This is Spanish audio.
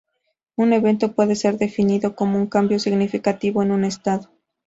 Un evento puede ser definido como "un cambio significativo en un estado".